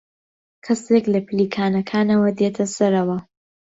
کەسێک لە پلیکانەکانەوە دێتە سەرەوە.